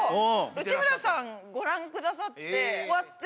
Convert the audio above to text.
内村さんご覧くださって終わってすぐＬＩＮＥ。